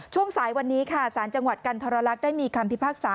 ช่วงสายวันนี้ค่ะสารจังหวัดกันทรลักษณ์ได้มีคำพิพากษา